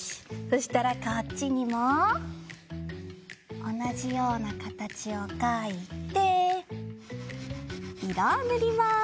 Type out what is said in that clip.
そしたらこっちにもおなじようなかたちをかいていろをぬります。